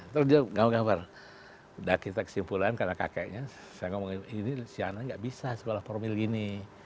terus dia gambar udah kita kesimpulan karena kakeknya saya ngomongin ini si anak gak bisa sekolah formil gini